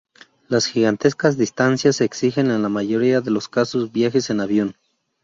Las gigantescas distancias exigen en la mayoría de los casos viajes en avión.